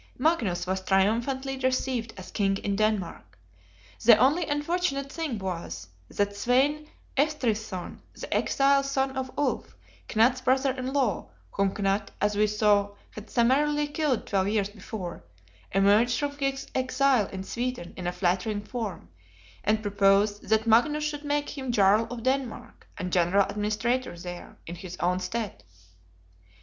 Magnus was triumphantly received as King in Denmark. The only unfortunate thing was, that Svein Estrithson, the exile son of Ulf, Knut's Brother in law, whom Knut, as we saw, had summarily killed twelve years before, emerged from his exile in Sweden in a flattering form; and proposed that Magnus should make him Jarl of Denmark, and general administrator there, in his own stead.